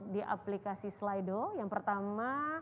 di aplikasi slido yang pertama